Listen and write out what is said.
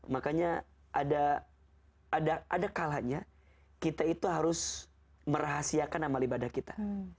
makanya ada kalanya kita itu harus merahasiakan amal ibadah kita